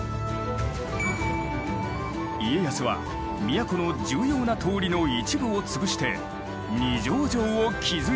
家康は都の重要な通りの一部を潰して二条城を築いたのだ。